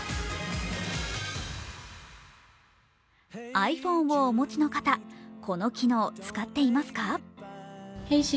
ｉＰｈｏｎｅをお持ちの方、この機能、使っていますか？